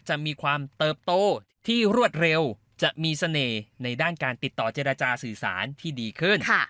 จะมีความเติบโตที่รวดเร็วจะมีเสน่ห์ในด้านการติดต่อเจรจาสื่อสารที่ดีขึ้น